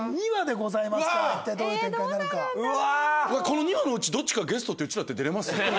この２話のうちどっちかゲストってうちらって出れます？